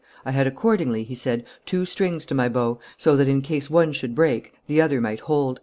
"I had accordingly," he said, "two strings to my bow, so that, in case one should break, the other might hold."